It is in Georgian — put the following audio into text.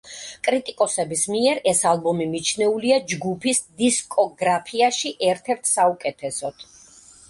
კრიტიკოსების მიერ ეს ალბომი მიჩნეულია ჯგუფის დისკოგრაფიაში ერთ-ერთ საუკეთესოდ.